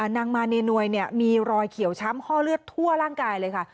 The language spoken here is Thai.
นางมาเนียนวยมีรอยเขียวช้ำห้อเลือดทั่วร่างกายเลยค่ะ